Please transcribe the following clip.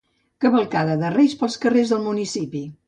Cavalcada dels reis pels carrers del municipi.